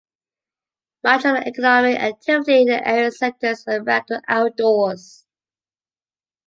Much of the economic activity in the area centers around the outdoors.